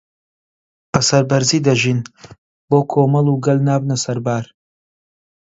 بەسەربەرزی دەژین بۆ کۆمەڵ و گەل نابنە سەربار